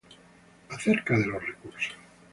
Acerca de los recursos